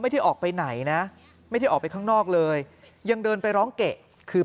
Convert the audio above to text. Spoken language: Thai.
ไม่ได้ออกไปไหนนะไม่ได้ออกไปข้างนอกเลยยังเดินไปร้องเกะคือ